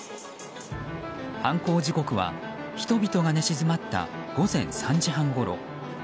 犯行時刻は人々が寝静まった午前３時半ごろ。